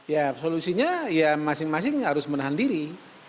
ya solusinya ya masing masing harus menahan diri